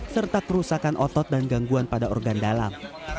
serta kerusakan otot dan gangguan pada organ dalam